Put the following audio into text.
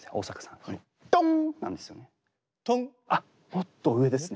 もっと上ですね。